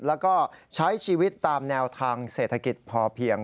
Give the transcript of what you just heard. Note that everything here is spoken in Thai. แล้วก็ใช้ชีวิตตามแนวทางเศรษฐกิจพอเพียง